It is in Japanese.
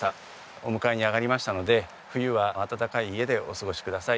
お迎えに上がりましたので冬は暖かい家でお過ごしください。